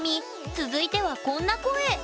続いてはこんな声！